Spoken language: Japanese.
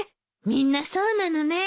みんなそうなのね。